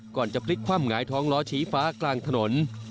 ก่อนจะพลิกคว่ำหงายท้องล้อชี้ฟ้ากลางถนน